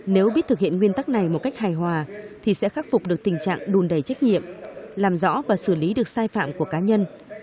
nếu biết thực hiện nguyên tắc này một cách hài hòa thì sẽ khắc phục được tình trạng đùn đầy trách nhiệm làm rõ và xử lý được sai phạm của cá nhân